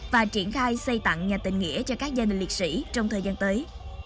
và triển khai xây tặng nhà tình nghĩa cho các gia đình liệt sĩ trong thời gian tới